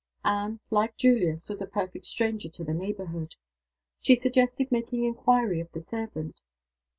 Anne, like Julius, was a perfect stranger to the neighborhood. She suggested making inquiry of the servant.